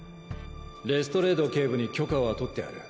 レストレード警部に許可は取ってある。